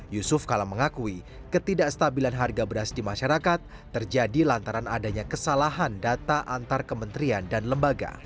yusuf kala mengakui ketidakstabilan harga beras di masyarakat terjadi lantaran adanya kesalahan data antar kementerian dan lembaga